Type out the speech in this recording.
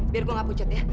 biar gue nggak pucat ya